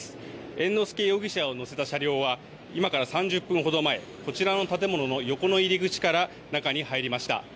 猿之助容疑者を乗せた車両は今から３０分ほど前、こちらの建物の横の入り口から中に入りました。